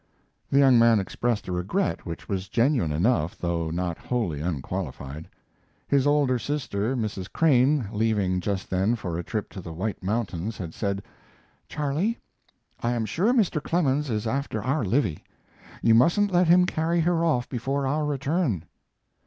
The young man expressed a regret which was genuine enough, though not wholly unqualified. His older sister, Mrs. Crane, leaving just then for a trip to the White Mountains, had said: "Charley, I am sure Mr. Clemens is after our Livy. You mustn't let him carry her off before our return."